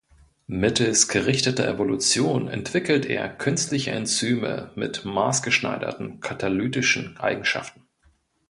Mittels gerichteter Evolution entwickelt er künstliche Enzyme mit maßgeschneiderten katalytischen Eigenschaften.